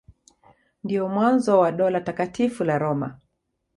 Ndio mwanzo wa Dola Takatifu la Roma.